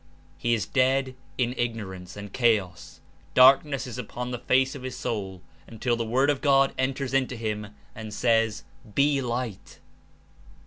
He Is dead In Ignorance and chaos; darkness Is upon the face of his soul, until the Word of God enters Into him and says: "Be light!"